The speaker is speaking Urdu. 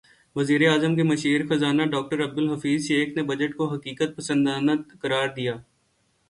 وزیراعظم کے مشیر خزانہ ڈاکٹر عبدالحفیظ شیخ نے بجٹ کو حقیقت پسندانہ قرار دیا